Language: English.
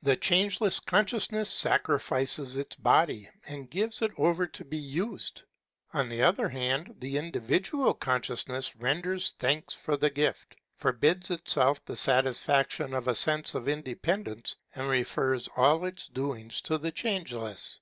The Changeless Consciousness sacrifices its body, and gives it over to be used. On ths other hand the individual conscious 624 HEGEL ness renders thanks for the gift, forbids itself the satisfaction of a sense of independence, and refers all its doings to the Change less.